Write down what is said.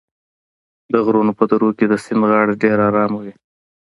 د غرونو په درو کې د سیند غاړه ډېره ارامه وي.